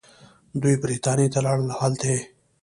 دوي برطانيه ته لاړل او هلتۀ ئې